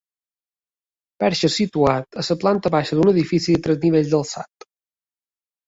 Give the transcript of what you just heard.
Perxe situat a la planta baixa d'un edifici de tres nivells d'alçat.